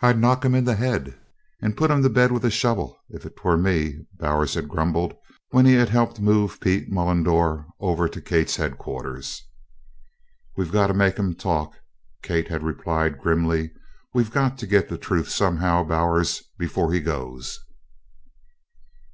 "I'd knock him in the head and put him to bed with a shovel, if 'twere me," Bowers had grumbled when he had helped move Pete Mullendore over to Kate's headquarters. "We've got to make him talk," Kate had replied grimly. "We've got to get the truth somehow, Bowers, before he goes."